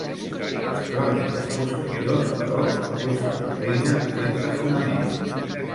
Les cròniques posteriors, però, acusen la reina sense fonament.